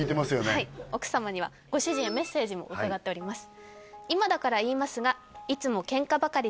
はい奥様にはご主人へメッセージも伺っております